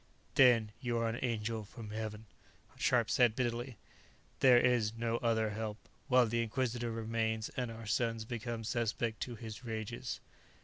"Then you are an angel from Heaven," Scharpe said bitterly. "There is no other help, while the Inquisitor remains and our sons become suspect to his rages."